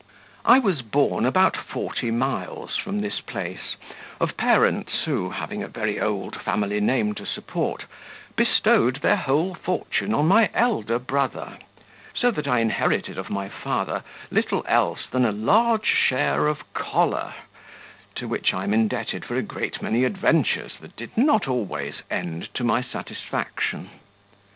"I was born about forty miles from this place, of parents who, having a very old family name to support, bestowed their whole fortune on my elder brother; so that I inherited of my father little else than a large share of choler, to which I am indebted for a great many adventures that did not always end to my satisfaction.